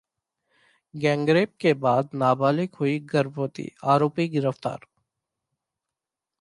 gangrape के बाद नाबालिग हुई गर्भवती, आरोपी गिरफ्तार